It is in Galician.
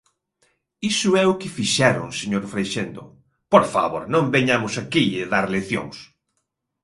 Iso é o que fixeron, señor Freixendo, ¡por favor, non veñamos aquí dar leccións!